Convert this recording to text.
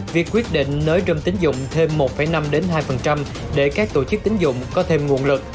việc quyết định nới râm tín dụng thêm một năm đến hai để các tổ chức tín dụng có thêm nguồn lực